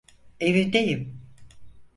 Evimdeyim.